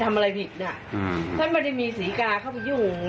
ก็เลยสงสารท่าน